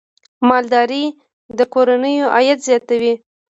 مالدارۍ د کورنیو عاید زیاتوي.